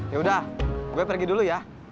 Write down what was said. yaudah gue pergi dulu ya